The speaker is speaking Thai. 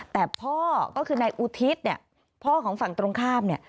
แต่พ่อก็คือนายอุทิศพ่อของฝั่งตรงข้าม